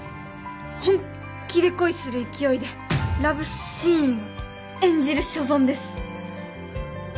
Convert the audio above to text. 本気で恋する勢いでラブシーンを演じる所存です